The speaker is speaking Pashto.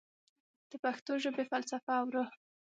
د پښتو ژبې فلسفه او روح